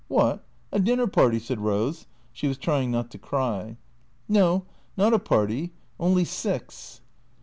"Wot, a dinner party?" said Rose (she was trying not to cry). " No, not a party. Only six."